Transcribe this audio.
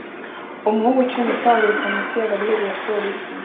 Umuhungu ukiri muto ahaguruka munsi ya bariyeri ya polisi